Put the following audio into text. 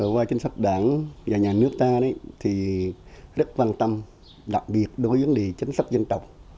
qua chính sách đảng và nhà nước ta thì rất quan tâm đặc biệt đối với vấn đề chính sách dân tộc